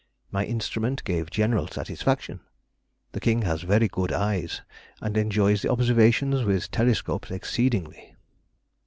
My instrument gave general satisfaction. The King has very good eyes, and enjoys observations with telescopes exceedingly.